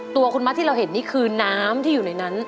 ตัวคุณมัดที่เราเห็นนี่คือน้ำที่อยู่ในนั้น